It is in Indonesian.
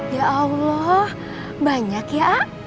ya allah banyak ya